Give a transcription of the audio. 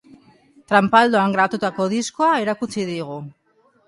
Tranpaldoan grabatutako diskoa erakutsi digu.